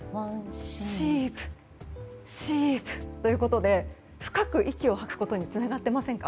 シープ、シープということで深く息を吐くことにつながってませんか？